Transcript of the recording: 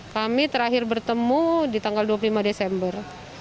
kami terakhir bertemu di tanggal dua puluh lima desember